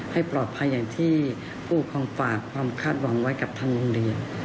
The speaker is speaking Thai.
ให้ปลอดภัยอย่างที่ผู้ปกครองฝากความคาดหวังไว้กับทางโรงเรียน